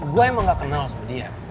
gue emang gak kenal sama dia